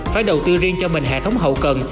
phải đầu tư riêng cho mình hệ thống hậu cần